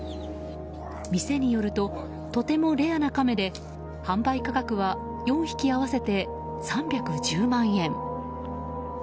店によるととてもレアなカメで販売価格は４匹合わせて３１０万円。